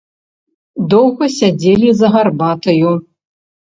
Доўга сядзелі за гарбатаю.